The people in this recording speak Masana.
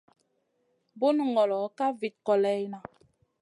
Bunu ŋolo ka vit kòleyna.